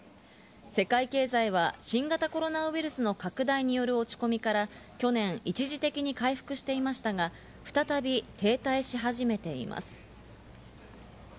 世界経済は新型コロナウイルスの拡大による落ち込みから去年、一時的に回復していましたが、再び停滞し始めています。